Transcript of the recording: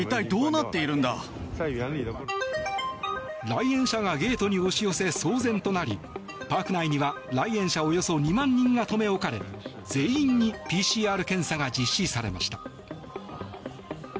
来園者がゲートに押し寄せ騒然となりパーク内には来園者およそ２万人が留め置かれ全員にＰＣＲ検査が実施されました。